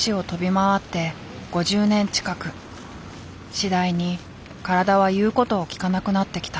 次第に体は言うことを聞かなくなってきた。